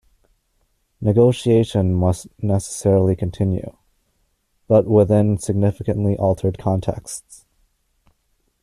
Negotiation must necessarily continue – but within significantly altered contexts.